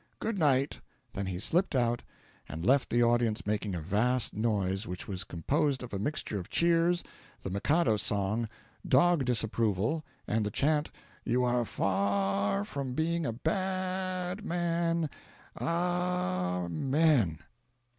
Good night." Then he slipped out, and left the audience making a vast noise, which was composed of a mixture of cheers, the "Mikado" song, dog disapproval, and the chant, "You are f a r from being a b a a d man a a a a men!"